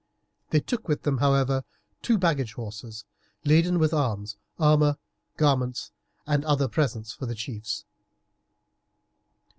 They took with them, however, two baggage horses laden with arms, armour, garments, and other presents for the chiefs.